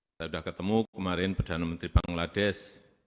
saya sudah ketemu kemarin perdana menteri bangladesh